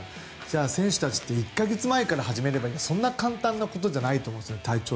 選手たちって１か月前から始めればいいそんな簡単なことじゃないと思うんですよね。